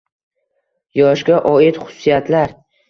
Yoshga oid xususiyatlar.